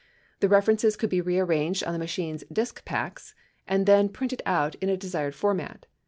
The references could be rearranged on the machine's "disk packs" and then printed out in a desired format.